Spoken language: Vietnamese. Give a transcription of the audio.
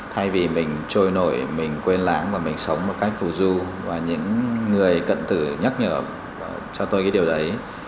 thay vì mình trôi nổi mình quên lãng và mình sống một cách phù du và những người cận thử nhắc nhở cho tôi cái điều đấy